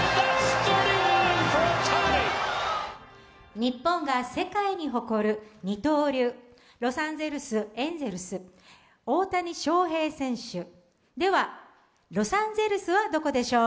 日本が世界に誇る二刀流、ロサンゼルスエンゼルス・大谷翔平選手では、ロサンゼルスはどこでしょう？